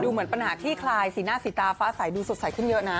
เหมือนปัญหาขี้คลายสีหน้าสีตาฟ้าใสดูสดใสขึ้นเยอะนะ